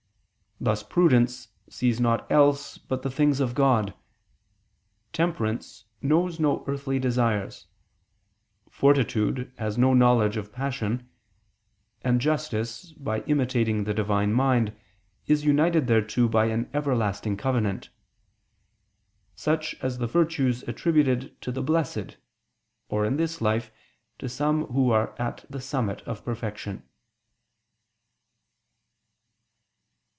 Thus prudence sees nought else but the things of God; temperance knows no earthly desires; fortitude has no knowledge of passion; and justice, by imitating the Divine Mind, is united thereto by an everlasting covenant. Such as the virtues attributed to the Blessed, or, in this life, to some who are at the summit of perfection.